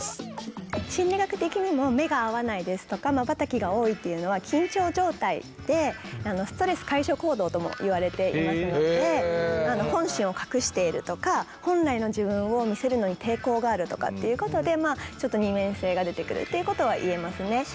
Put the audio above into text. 心理学的にも目が合わないですとかまばたきが多いっていうのは緊張状態でストレス解消行動ともいわれていますので本心を隠しているとか本来の自分を見せるのに抵抗があるとかっていうことでちょっと二面性がでてくるっていうことはいえますね。